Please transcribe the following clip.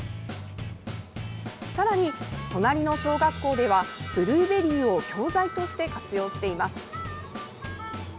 さらに、隣の小学校ではブルーべリーを教材として活用しています。